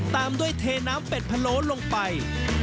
ตามด้วยเทน้ำเป็ดพะโล้ลงไป